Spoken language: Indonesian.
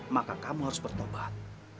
maka kamu harus bertobat